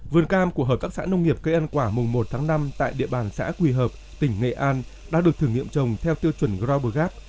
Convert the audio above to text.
vườn cam của hợp tác xã nông nghiệp cây ăn quả mùng một tháng năm tại địa bàn xã quỳ hợp tỉnh nghệ an đã được thử nghiệm trồng theo tiêu chuẩn grober gap